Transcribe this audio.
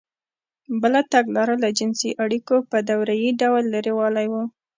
بله تګلاره له جنسـي اړیکو په دورهیي ډول لرېوالی و.